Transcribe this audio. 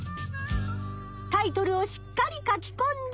タイトルをしっかり書きこんで。